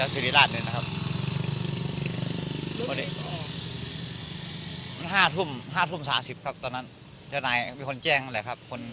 ศิริราชน์นี้นะครับ